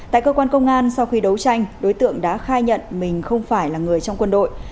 tại cơ quan công an sau khi đấu tranh đối tượng đã khai nhận mình không phải là người trong quân đội